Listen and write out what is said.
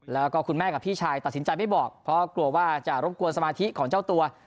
แล้วก็คุณแม่กับพี่ชายตัดสินใจไม่บอกเพราะกลัวว่าจะรบกวนสมาธิของเจ้าตัว